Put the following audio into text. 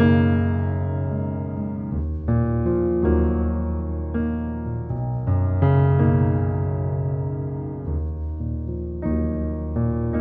didulkan dari negeri